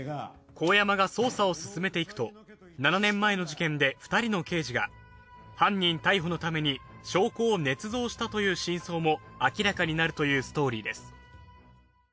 香山が捜査を進めていくと７年前の事件で２人の刑事が犯人逮捕のために証拠を捏造したという真相も明らかになるというストーリです。